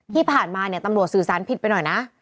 ที่ผ่านมาเนี่ยตำรวจสื่อสารผิดไปหน่อยนะ